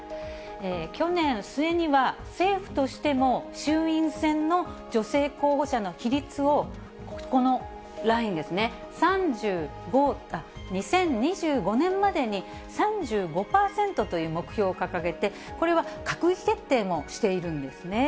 去年末には、政府としても衆院選の女性候補者の比率を、ここのラインですね、２０２５年までに３５％という目標を掲げて、これは閣議決定もしているんですね。